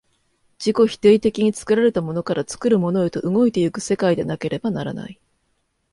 自己否定的に作られたものから作るものへと動いて行く世界でなければならない。